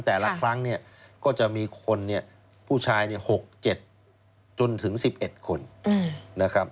แต่ละครั้งก็จะมีผู้ชาย๖๗จนถึง๑๑คน